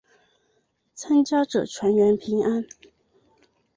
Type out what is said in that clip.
参加者全员平安。